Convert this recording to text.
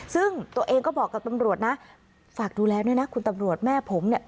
ซึ่งตัวเองก็บอกกับตำรวจนะฝากดูแลด้วยนะคุณตำรวจแม่ผมเนี่ย